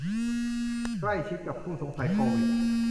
ใกล้ชิดกับผู้สงสัยโควิด